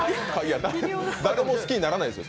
誰も好きにならないですよ。